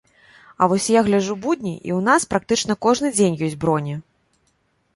А вось я гляджу будні, і ў нас практычна кожны дзень ёсць броні.